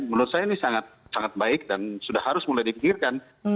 menurut saya ini sangat baik dan sudah harus mulai dipikirkan